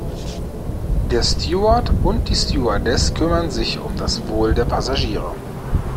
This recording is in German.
Der Steward und die Stewardess kümmern sich um das Wohl der Passagiere.